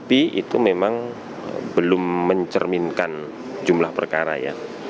di rumah pemilu kompas tv independen terpercaya